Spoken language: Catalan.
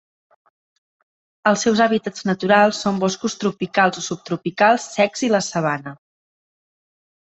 Els seus hàbitats naturals són boscos tropicals o subtropicals secs i la sabana.